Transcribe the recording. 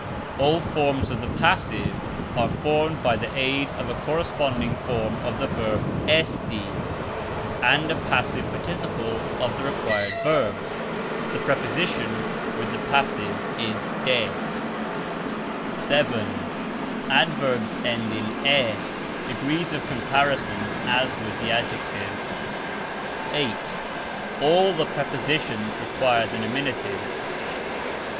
All forms of the passive are formed by the aid of a corresponding form of the verb "esti" and a passive participle of the required verb; the preposition with the passive is "de." (7) ADVERBS end in "e;" degrees of comparison as with the adjectives. (8) ALL the PREPOSITIONS require the nominative.